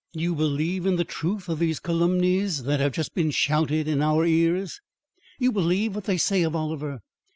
"You believe in the truth of these calumnies that have just been shouted in our ears. You believe what they say of Oliver.